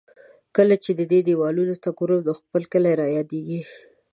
کله چې د دې دېوالونو ته ګورم، نو خپل کلی را یادېږي.